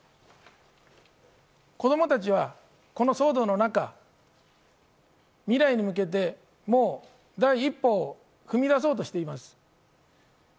子供たちはこの騒動の中、未来に向けて、もう第一歩を踏み出そうとしています。